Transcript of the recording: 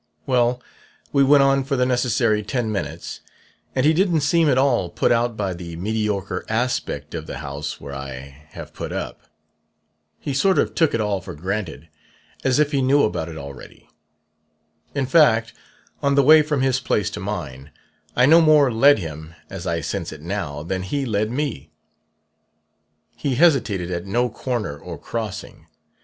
Well, we went on for the necessary ten minutes, and he didn't seem at all put out by the mediocre aspect of the house where I have put up. He sort of took it all for granted as if he knew about it already. In fact, on the way from his place to mine, I no more led him (as I sense it now) than he led me. He hesitated at no corner or crossing.